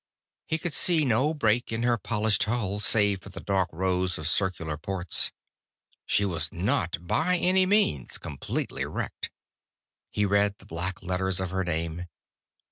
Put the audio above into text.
He could see no break in her polished hull, save for the dark rows of circular ports. She was not, by any means, completely wrecked. He read the black letters of her name.